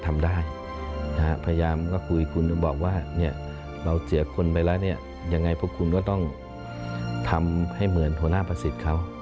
ทำรุณาสิ่งที่ว่าทำความสามารถของเขา